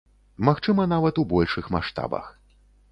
Магчыма, нават у большых маштабах.